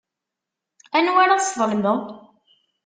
Anwa ara tesḍelmeḍ?